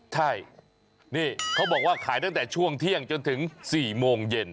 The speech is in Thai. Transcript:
ใช่นี่เขาบอกว่าขายตั้งแต่ช่วงเที่ยงจนถึง๔โมงเย็น